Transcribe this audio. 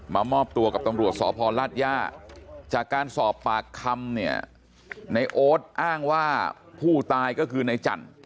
มอบตัวกับตำรวจสพลาดย่าจากการสอบปากคำเนี่ยในโอ๊ตอ้างว่าผู้ตายก็คือในจันทร์